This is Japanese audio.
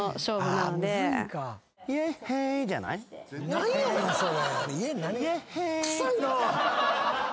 何やねんそれ。